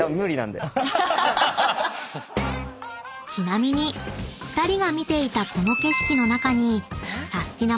［ちなみに２人が見ていたこの景色の中にサスティな！